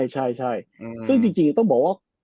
ใช่ซึ่งจริงต้องบอกว่า